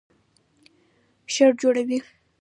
شر جوړوي